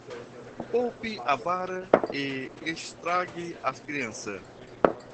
Poupe a vara e estrague a criança.